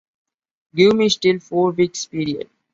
Give me still four weeks period.